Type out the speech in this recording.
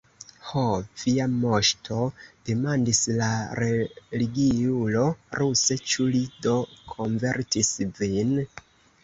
Ho, via moŝto, demandis la religiulo ruse, ĉu li do konvertis vin?